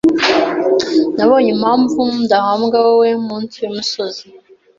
Nabonye impamvu ndahambwa wowemunsi yumusozi